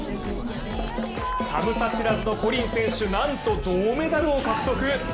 寒さ知らずのコリン選手、なんと銅メダルを獲得。